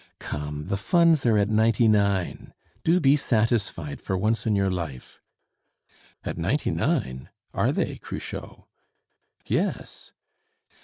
"Come, the Funds are at ninety nine. Do be satisfied for once in your life." "At ninety nine! Are they, Cruchot?" "Yes."